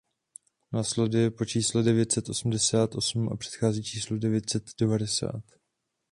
Následuje po čísle devět set osmdesát osm a předchází číslu devět set devadesát.